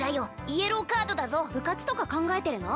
イエローカードだぞ部活とか考えてるの？